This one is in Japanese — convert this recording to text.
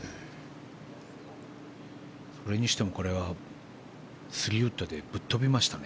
それにしてもこれは３ウッドでぶっ飛びましたね。